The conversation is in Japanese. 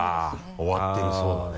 終わってるそうだね。